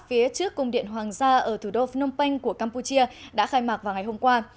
phía trước cung điện hoàng gia ở thủ đô phnom penh của campuchia đã khai mạc vào ngày hôm qua